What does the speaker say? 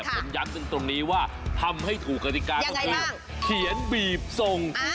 ผมย้ำตรงนี้ว่าทำให้ถูกกฎิกาก็คือเขียนบีบส่ง